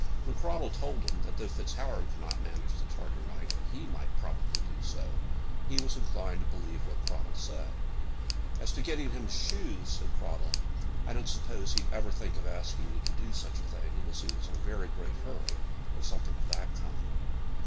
When Cradell told him that though FitzHoward could not manage the Tartar knight, he might probably do so; he was inclined to believe what Cradell said. "And as to getting him his shoes," said Cradell, "I don't suppose he'd ever think of asking you to do such a thing, unless he was in a very great hurry, or something of that kind."